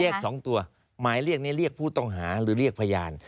เรียก๒ตัวหมายเรียกนี้เรียกผู้ต้องหาหรือเรียกพยาน